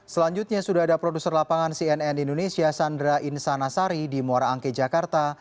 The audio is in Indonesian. selanjutnya sudah ada produser lapangan cnn indonesia sandra insanasari di muara angke jakarta